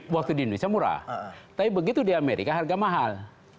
waktu di indonesia murah tapi begitu di amerika harga mahal